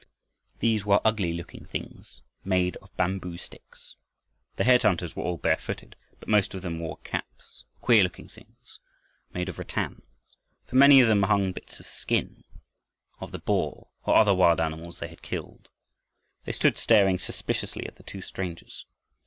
These were ugly looking things made of bamboo sticks. The head hunters were all barefooted, but most of them wore caps queer looking things, made of rattan. From many of them hung bits of skin of the boar or other wild animals they had killed. They stood staring suspiciously at the two strangers.